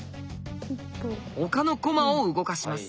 他の駒を動かします。